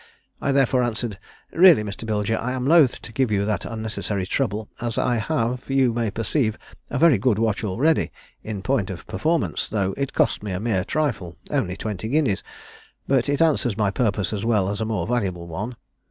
I therefore answered, 'Really, Mr. Bilger, I am loath to give you that unnecessary trouble, as I have, you may perceive, a very good watch already, in point of performance, though it cost me a mere trifle only twenty guineas; but it answers my purpose as well as a more valuable one.